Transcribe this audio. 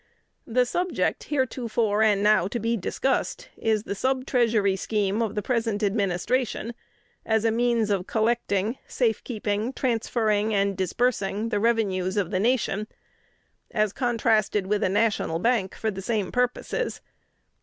"The subject heretofore and now to be discussed is the Sub Treasury scheme of the present administration, as a means of collecting, safe keeping, transferring, and disbursing the revenues of the nation, as contrasted with a National Bank for the same purposes.